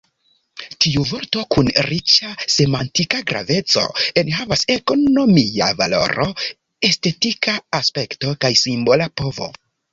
Tiu vorto, kun riĉa semantika graveco, enhavas ekonomia valoro, estetika aspekto kaj simbola povo.